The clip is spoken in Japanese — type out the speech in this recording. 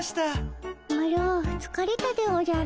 マロつかれたでおじゃる。